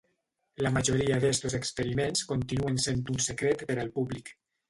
La majoria d'estos experiments continuen sent un secret per al públic.